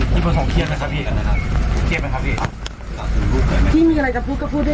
พี่พูดอะไรบ้างเลยหรอคะไม่ฝากบอกอะไรใครบ้าง